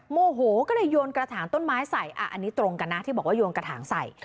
โมโหก็เลยโยนกระถางต้นไม้ใส่อันนี้ตรงกันนะที่บอกว่าโยนกระถางใส่